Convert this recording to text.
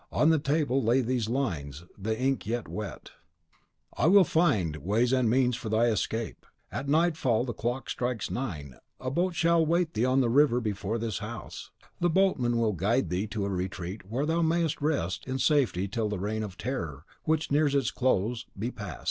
On the table lay these lines, the ink yet wet: "I will find ways and means for thy escape. At nightfall, as the clock strikes nine, a boat shall wait thee on the river before this house; the boatman will guide thee to a retreat where thou mayst rest in safety till the Reign of Terror, which nears its close, be past.